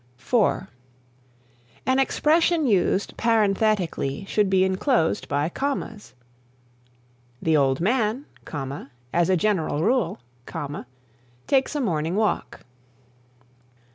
(4) An expression used parenthetically should be inclosed by commas: "The old man, as a general rule, takes a morning walk."